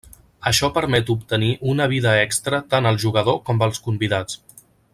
Això permet obtenir una vida extra tant al jugador com als convidats.